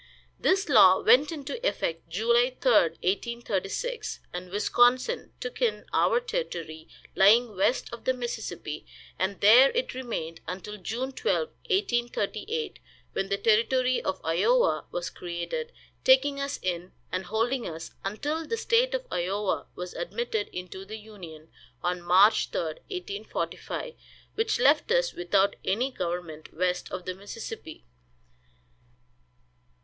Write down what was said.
This law went into effect July 3, 1836, and Wisconsin took in our territory lying west of the Mississippi, and there it remained until June 12, 1838, when the Territory of Iowa was created, taking us in and holding us until the State of Iowa was admitted into the Union, on March 3, 1845, which left us without any government west of the Mississippi.